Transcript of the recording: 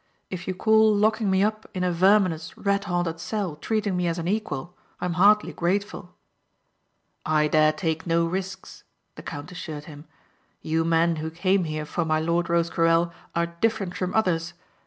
"If you call locking me up in a verminous, rat haunted cell treating me as an equal I'm hardly grateful." "I dare take no risks," the count assured him. "You men who came here for my lord Rosecarrel are different from others.